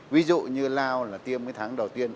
ví dụ như lao là tiêm cái tháng đầu tiên